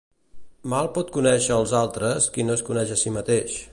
Mal pot conèixer els altres qui no es coneix a si mateix.